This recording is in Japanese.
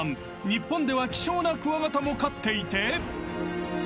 日本では希少なクワガタも飼っていて］